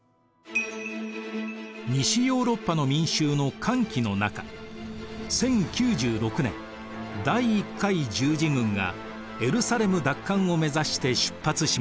西ヨーロッパの民衆の歓喜の中１０９６年第１回十字軍がエルサレム奪還を目指して出発しました。